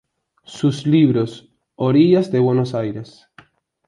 Sus libros Orillas de Buenos Aires!